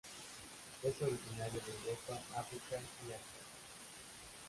Es originario de Europa, África y Asia.